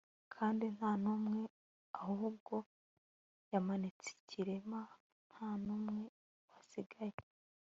kandi ntanumwe ahubwo yamanitse ikirema, ntanumwe wasigaye